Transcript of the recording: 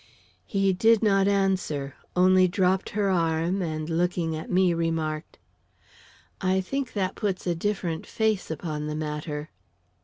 He did not answer, only dropped her arm, and, looking at me, remarked: "I think that puts a different face upon the matter."